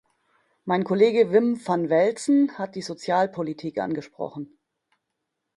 Mein Kollege Wim van Velzen hat die Sozialpolitik angesprochen.